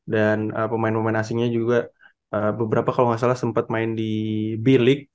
dan pemain pemain asingnya juga beberapa kalo ga salah sempet main di b league